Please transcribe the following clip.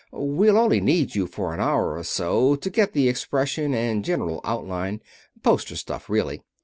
We'll only need you for an hour or so to get the expression and general outline. Poster stuff, really.